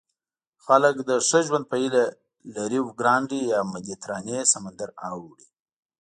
خلک د ښه ژوند په هیله له ریوګرانډي یا مدیترانې سمندر اوړي.